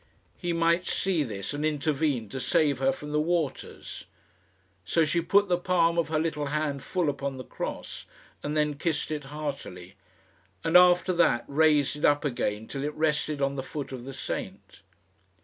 He might see this, and intervene to save her from the waters. So she put the palm of her little hand full upon the cross, and then kissed it heartily, and after that raised it up again till it rested on the foot of the saint.